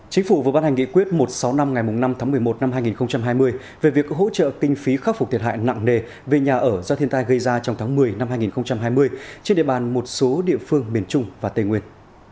chính phủ vừa bán hành nghị quyết một trăm sáu mươi năm ngày năm tháng một mươi một năm hai nghìn hai mươi về việc hỗ trợ kinh phí khắc phục thiệt hại nặng nề về nhà ở do thiên tai gây ra trong tháng một mươi năm hai nghìn hai mươi trên địa bàn một số địa phương miền trung và tây nguyên